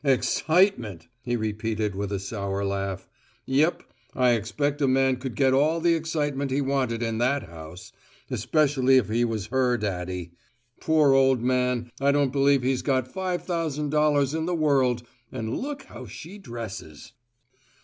`Excitement!'" he repeated with a sour laugh. "Yep, I expect a man could get all the excitement he wanted in that house, especially if he was her daddy. Poor old man, I don't believe he's got five thousand dollars in the world, and look how she dresses!"